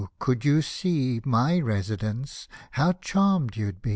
could you see My residence, how charm'd you'd be.